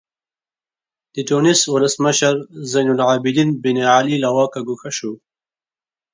د ټونس ولسمشر زین العابدین بن علي له واکه ګوښه شو.